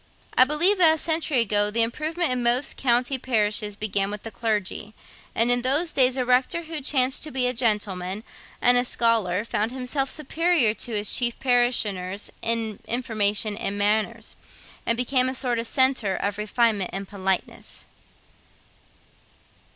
I believe that a century ago the improvement in most country parishes began with the clergy; and that in those days a rector who chanced to be a gentleman and a scholar found himself superior to his chief parishioners in information and manners, and became a sort of centre of refinement and politeness.